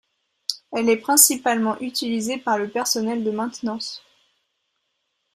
Elle est principalement utilisée par le personnel de maintenance.